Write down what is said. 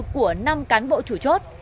của năm cán bộ chủ chốt